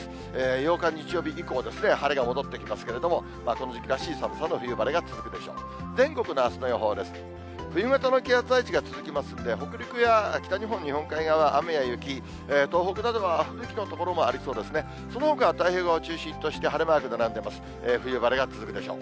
８日日曜日以降、晴れが戻ってきますけれども、この時期らしい寒さの冬晴れが続くでしょう。